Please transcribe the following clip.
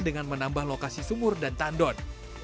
dengan menambah lokasi sumur dan tandon